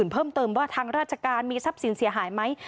เพิ่มเติมว่าทางราชการมีทรัพย์สินเสียหายไหม